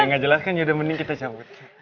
nggak jelas kan yaudah mending kita cabut